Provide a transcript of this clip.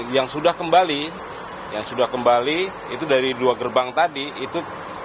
yang sudah kembali itu dari dua gerbang tadi itu tiga ratus sembilan puluh tujuh